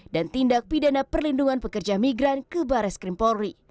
dan tindak pidana perlindungan pekerja migran ke baris krimpori